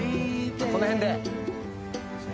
この辺で。